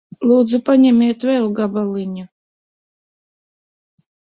Lūdzu. Paņemiet vēl gabaliņu.